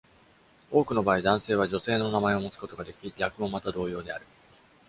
多くの場合、男性は女性の名前を持つことができ、逆もまた同様である。